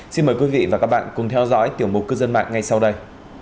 xin mời quý vị và các bạn cùng theo dõi tiểu mục cư dân mạng ngay sau đây